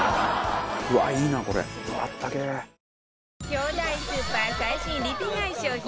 巨大スーパー最新リピ買い商品